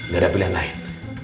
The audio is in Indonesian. gak ada pilihan lain